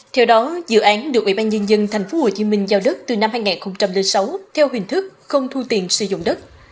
theo đó dự án được ủy ban nhân dân tp hcm giao đất từ năm hai nghìn sáu theo hình thức không thu tiền sử dụng đất